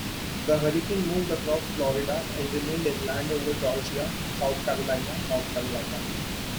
The hurricane moved across Florida, and remained inland over Georgia, South Carolina, North Carolina.